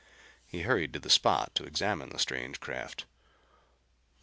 He hurried to the spot to examine the strange craft.